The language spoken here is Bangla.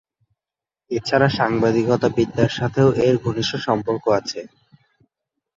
এছাড়া সাংবাদিকতা বিদ্যার সাথেও এর ঘনিষ্ঠ সম্পর্ক আছে।